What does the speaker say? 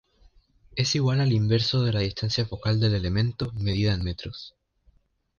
Es igual al inverso de la distancia focal del elemento medida en metros.